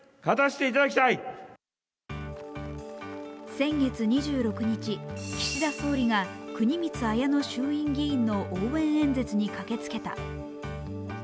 先月２６日、岸田総理が国光文乃衆院議員の応援演説に駆けつけた。